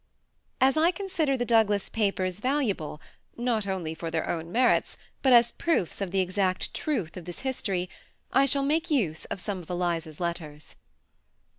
As I consider the Douglas papers valuable, not only for their own merits, but as proofs of the exact truth of this history, I shall make use of some of Eliza's letters.